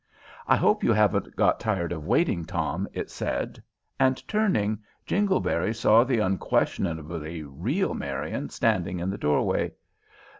"I hope you haven't got tired of waiting, Tom," it said; and, turning, Jingleberry saw the unquestionably real Marian standing in the doorway.